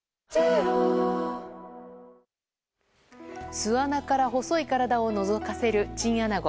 巣穴から細い体をのぞかせるチンアナゴ。